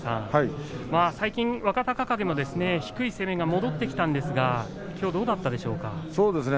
最近、若隆景も低い攻めが戻ってきたんですけどどうだったですか？